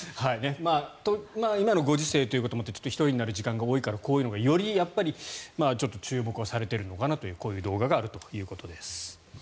今のご時世ということもあって１人になる時間が多いからこういうのが、より注目をされているのかなというこういう動画があるということです。